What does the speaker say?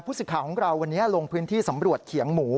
สิทธิ์ของเราวันนี้ลงพื้นที่สำรวจเขียงหมู